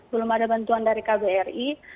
belum ada bantuan dari kbri